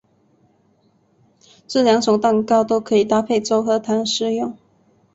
这两种蛋糕都可以搭配粥和糖食用。